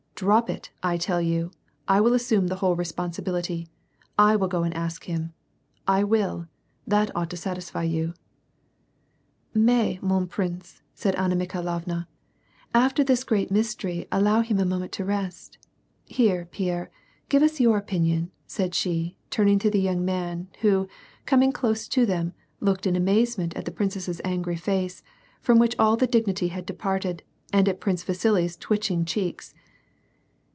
*• Drop it, 1 tell you. I will assume the whole responsibility. I will go and ask him. I will. That ought to satisfy you." " 3/«w, mon jprince^'* said Anna Mikhailovna, " After this great mystery allow him a moment of rest. Here, Pierre, give us your ojnnion," said she, turning to the young man, who, coming close to them, looked in amazement at the princess's angr}' face, from which all dignity had departed, and at Prince Vasili's twitching cheeks.